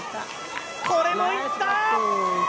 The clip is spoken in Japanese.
これもいった！